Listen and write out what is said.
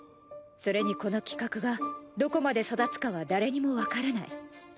それにこの企画がどこまで育つかは誰にも分からない。